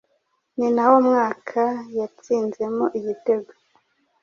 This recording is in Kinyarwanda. Ni nawo mwaka yatsinzemo igiteko